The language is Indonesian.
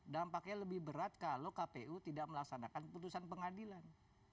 dampaknya lebih berat kalau kpu tidak melaksanakan putusan pengadilan